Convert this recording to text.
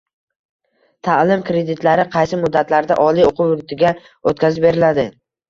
Ta’lim kreditlari qaysi muddatlarda oliy o‘quv yurtiga o‘tkazib beriladi?